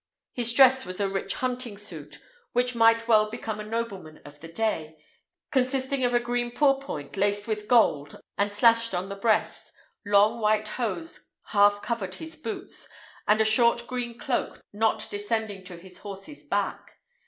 His dress was a rich hunting suit, which might well become a nobleman of the day, consisting of a green pourpoint laced with gold and slashed on the breast, long white hose half covered by his boots, and a short green cloak not descending to his horse's back.